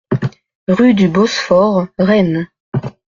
Rue du Bosphore, Rennes